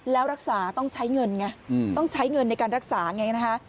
แล้วรักษาต้องใช้เงินไงต้องใช้เงินในการรักษาไงนะคะ